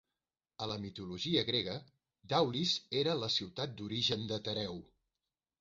A la mitologia grega, Daulis era la ciutat d'origen de Tereu.